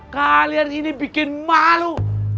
kalian ini bikin malu